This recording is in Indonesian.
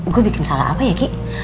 gue bikin salah apa ya ki